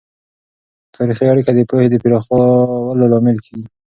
تاریخي اړیکه د پوهې د پراخولو لامل کیږي.